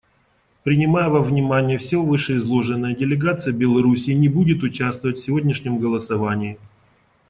Принимая во внимание все вышеизложенное, делегация Беларуси не будет участвовать в сегодняшнем голосовании.